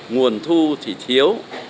nguồn thu thì thiếu